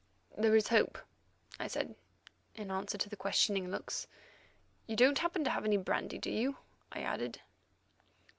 "There's hope," I said in answer to the questioning looks. "You don't happen to have any brandy, do you?" I added.